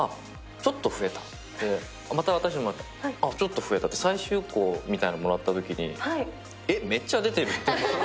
ちょっと増えた、また新しいのもらってあっ、ちょっと増えたって最終稿みたいなのもらったときにえっ、めっちゃ出てるって。